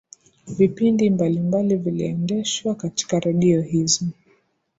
vipindi mbalimbali viliendeshwa katika redio hizo